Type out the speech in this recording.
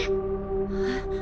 えっ⁉